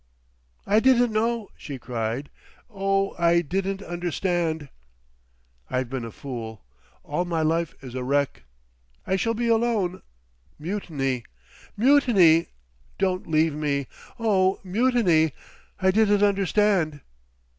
"I didn't know," she cried. "Oh! I didn't understand!" "I've been a fool. All my life is a wreck! "I shall be alone!..._Mutney!_ Mutney, don't leave me! Oh! Mutney! I didn't understand."